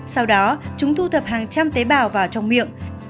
sau đó chúng thu thập hàng trăm tế bào vào trong miệng